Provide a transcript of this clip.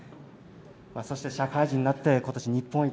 そして、社会人になって今年、日本一。